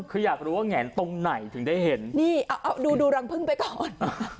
คืออยากรู้ว่าแงนตรงไหนถึงได้เห็นนี่เอาดูดูรังพึ่งไปก่อน